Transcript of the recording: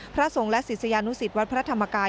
พระสงฆ์และศิษยานุสิตวัดพระธรรมกาย